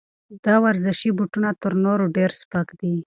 دا ورزشي بوټونه تر نورو ډېر سپک دي.